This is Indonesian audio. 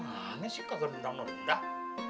manis sih kagak nendang nendang